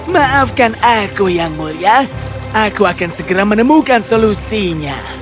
maafkan aku yang mulia aku akan segera menemukan solusinya